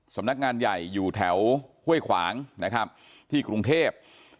สำนักงานใหญ่อยู่แถวห้วยขวางนะครับที่กรุงเทพ